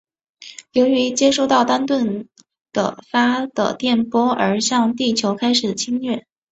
由于接受到丹顿的发的电波而向地球开始侵略。